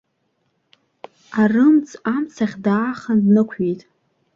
Арымӡ амцахь даахан днықәиеит.